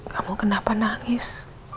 kamu kenapa nangis